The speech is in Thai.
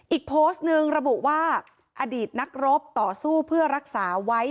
อีกโพสต์หนึ่งระบุว่าอดีตนักรบต่อสู้เพื่อรักษาไว้